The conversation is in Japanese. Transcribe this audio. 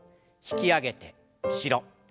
引き上げて後ろ。